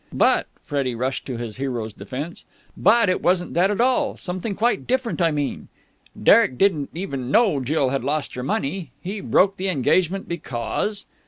"But " Freddie rushed to his hero's defence. "But it wasn't that at all. Something quite different. I mean, Derek didn't even know Jill had lost her money. He broke the engagement because...."